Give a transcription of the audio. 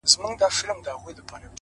ستا جدايۍ ته به شعرونه ليکم”